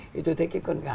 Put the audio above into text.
thì tôi thấy cái con gà